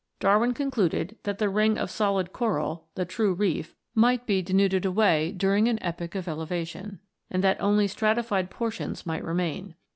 Darwin con cluded that the ring of solid coral, the true reef, might be denuded away during an epoch of elevation, and that only stratified portions might remain.